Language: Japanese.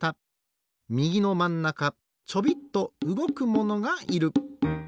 みぎのまんなかちょびっとうごくものがいる。